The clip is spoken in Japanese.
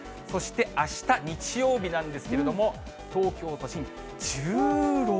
そして、あした日曜日なんですけれども、東京都心、１６度。